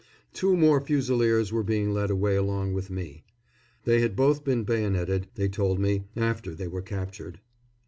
Two more Fusiliers were being led away along with me. They had both been bayoneted, they told me, after they were captured.